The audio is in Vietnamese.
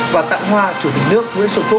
và tặng hoa chủ tịch nước nguyễn xuân phúc